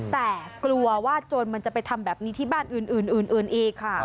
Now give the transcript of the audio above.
แต่กลัวว่าโจรมันจะไปทำแบบนี้ที่บ้านอื่นอีกค่ะ